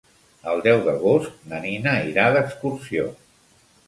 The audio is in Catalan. El deu d'agost na Nina irà d'excursió.